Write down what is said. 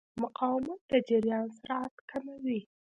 مقاومت د جریان سرعت کموي.